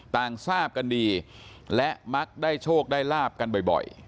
ต่างทราบกันดีและมักได้โชคได้ลาบกันบ่อย